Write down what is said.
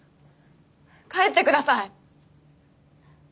帰ってください。